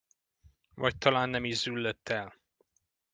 Vagy talán nem is züllött el.